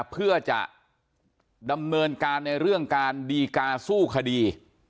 เพื่อจะดำเนินการในเรื่องการดีกาสู้คดี